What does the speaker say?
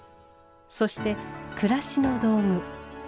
そして暮らしの道具。